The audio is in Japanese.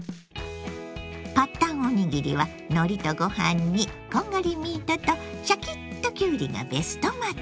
パッタンおにぎりはのりとご飯にこんがりミートとシャキッときゅうりがベストマッチ。